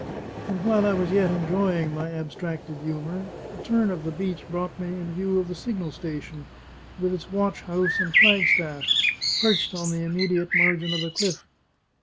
And while I was yet enjoying my abstracted humour, a turn of the beach brought me in view of the signal station, with its watch house and flag staff, perched on the immediate margin of a cliff.